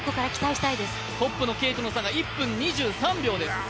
トップとの差が１分２３秒です。